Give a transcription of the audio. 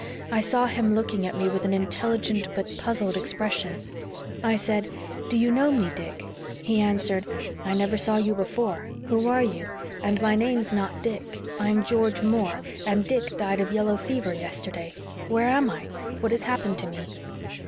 I saw him looking at me with an intelligent but puzzled expression. I said, 'Do you know me, Dick?' He answered, 'I never saw you before. Who are you? And my name is not Dick. I am George Moore, and Dick died of yellow fever yesterday! Where am I? What has happened to me?'